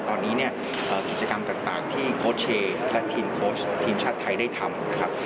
ตอนนี้เนี่ยกิจกรรมต่างต่างที่และทีมชาติไทยได้ทำนะครับ